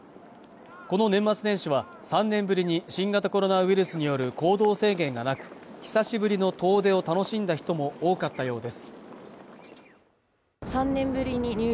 この年末年始は３年ぶりに新型コロナウイルスによる行動制限がなく久しぶりの遠出を楽しんだ人も多かったようです